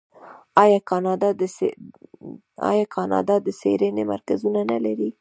آیا کاناډا د څیړنې مرکزونه نلري؟